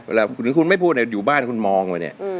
ตรงนี้คุณไม่พูดจะอยู่บ้านคุณมองไว้เนี่ย